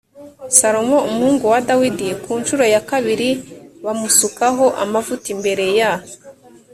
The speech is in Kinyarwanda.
salomo umuhungu wa dawidi ku ncuro ya kabiri bamusukaho amavuta imbere ya